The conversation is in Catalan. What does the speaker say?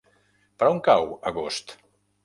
Per on cau Agost?